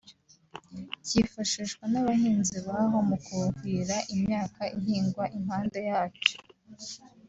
cyifashishwa n’abahinzi baho mu kuhira imyaka ihingwa impande yacyo